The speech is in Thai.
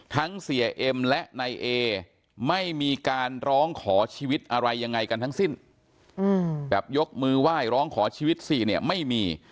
ทั้งเสียเอ็มและนายเอไม่มีการร้องขอชีวิตอะไรยังไงกันทั้งสิ้นแบบยกมือไหว้ร้องขอชีวิตสิเนี่ยไม่มี